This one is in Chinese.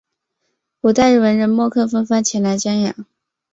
古代文人墨客纷纷前来瞻仰。